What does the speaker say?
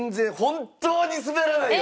本当に滑らないよ！